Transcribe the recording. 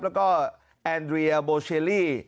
แล้วก็แอนเรียโบเชลลี่